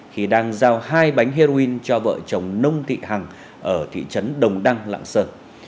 khi đang giao hai bánh heroin cho vợ chồng nông thị hằng ở thị trấn đồng đăng lạng sơn